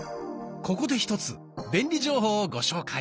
ここで１つ便利情報をご紹介。